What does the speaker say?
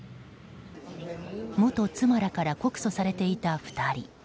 元妻らから告訴されていた２人。